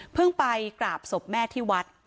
เพิ่งไปกราบสมแม่ที่วัด